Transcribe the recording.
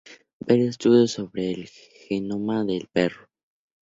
Ver estudios sobre el genoma del perro.